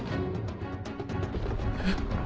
えっ。